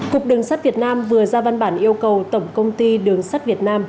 cục đường sắt việt nam vừa ra văn bản yêu cầu tổng công ty đường sắt việt nam